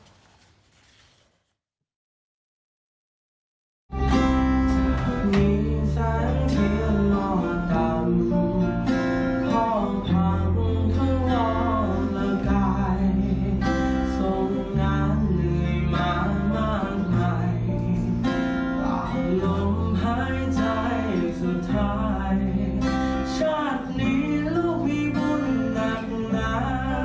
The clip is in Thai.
หลับลงหายใจสุดท้ายชาตินี้ลูกมีบุญหนักหนา